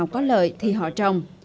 có lợi thì họ trồng